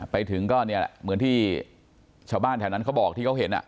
ไปถึงก็เนี่ยแหละเหมือนที่ชาวบ้านแถวนั้นเขาบอกที่เขาเห็น